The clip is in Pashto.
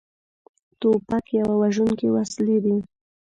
توپک یوه وژونکې وسلې ده.